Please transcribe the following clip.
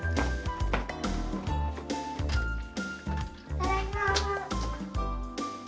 ただいま。